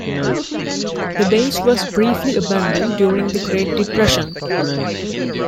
The base was briefly abandoned during the Great Depression.